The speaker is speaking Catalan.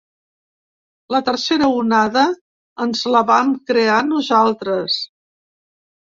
La tercera onada ens la vam crear nosaltres.